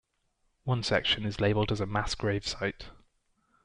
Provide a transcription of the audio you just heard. One section is labelled as a Mass Grave site.